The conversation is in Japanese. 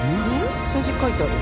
数字書いてある。